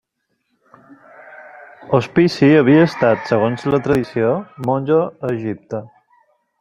Hospici havia estat, segons la tradició, monjo a Egipte.